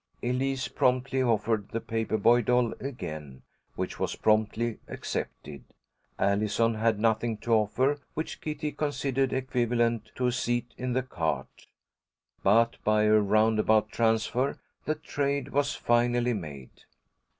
Elise promptly offered the paper boy doll again, which was promptly accepted. Allison had nothing to offer which Kitty considered equivalent to a seat in the cart, but by a roundabout transfer the trade was finally made.